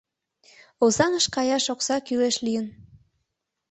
— Озаҥыш каяш окса кӱлеш лийын.